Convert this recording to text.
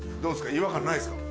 違和感ないですか？